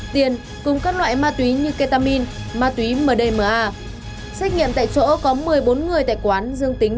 tiền cùng các loại ma túy như ketamin ma túy mdma xét nghiệm tại chỗ có một mươi bốn người tại quán dương tính